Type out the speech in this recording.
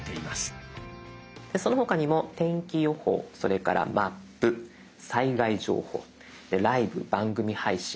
その他にも天気予報それからマップ災害情報ライブ・番組配信